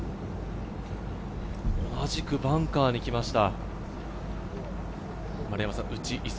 同じくバンカーにきました。